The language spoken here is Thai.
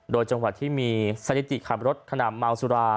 โดยจังหวัดที่มีสถิติขับรถขณะเมาสุรา